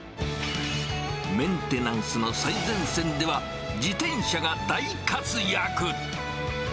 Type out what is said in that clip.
メンテナンスの最前線では、自転車が大活躍。